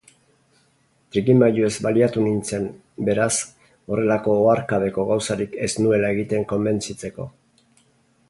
Trikimailuez baliatu nintzen, beraz, horrelako oharkabeko gauzarik ez nuela egiten konbentzitzeko.